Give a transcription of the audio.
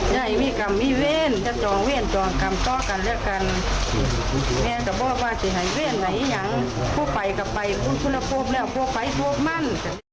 ทุกคนละครบครบไฟครบมัน